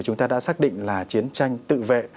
chúng ta đã xác định là chiến tranh tự vệ